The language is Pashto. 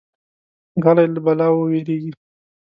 غلی، له بلا ووېریږي.